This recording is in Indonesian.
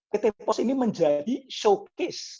pt pos ini menjadi showcase